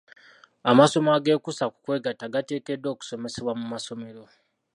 Amasomo ag'ekuusa ku kwegatta gateekeddwa okusomesebwa mu masomero.